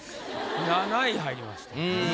７位入りました。